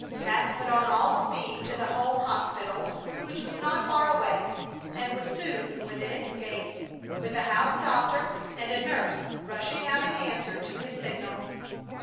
Pat put on all speed to the home hospital, which was not far away, and was soon within its gates, with the house doctor and a nurse rushing out in answer to his signal.